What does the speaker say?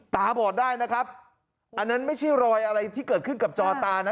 บอดได้นะครับอันนั้นไม่ใช่รอยอะไรที่เกิดขึ้นกับจอตานะ